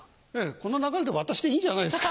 この流れで私でいいんじゃないですか？